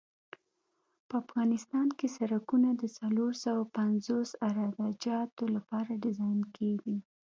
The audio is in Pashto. په افغانستان کې سرکونه د څلور سوه پنځوس عراده جاتو لپاره ډیزاین کیږي